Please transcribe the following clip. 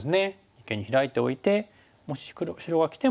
二間にヒラいておいてもし白がきても。